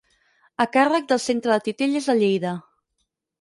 A càrrec del Centre de Titelles de Lleida.